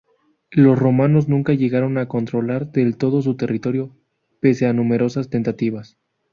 Los romanos nunca llegaron a controlar del todo su territorio, pese a numerosas tentativas.